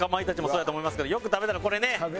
そうやと思いますけどよく食べたのこれね。